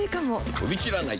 飛び散らない！